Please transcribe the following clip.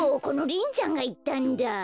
このリンちゃんがいったんだ。